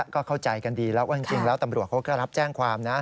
ก็เข้าใจกันดีแล้วว่าจริงแล้วตำรวจเขาก็รับแจ้งความนะ